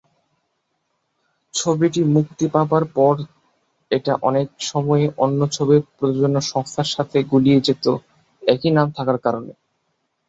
ছবিটি মুক্তি পাবার পর এটা অনেক সময়ই অন্য ছবির প্রযোজনা সংস্থার সাথে গুলিয়ে যেত একই নাম থাকার কারণে।